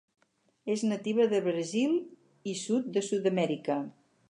És nativa de Brasil i sud de Sud-amèrica.